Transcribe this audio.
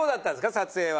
撮影は。